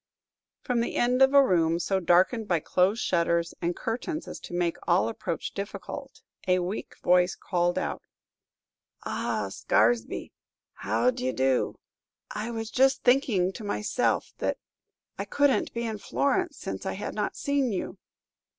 From the end of a room, so darkened by closed shutters and curtains as to make all approach difficult, a weak voice called out, "Ah, Scaresby, how d' ye do? I was just thinking to myself that I could n't be in Florence, since I had not seen you."